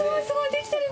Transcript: できてる！